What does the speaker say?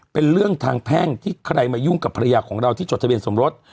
เป็นเรื่องทางแพ่งที่ใครมายุ่งกับภรรยาของเราที่จดทะเบียนสมรส